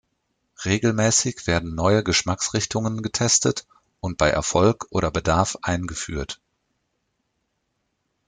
Regelmäßig werden neue Geschmacksrichtungen getestet und bei Erfolg oder Bedarf eingeführt.